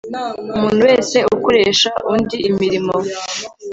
umuntu wese ukoresha undi imirimo